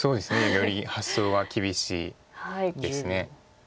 より発想は厳しいです。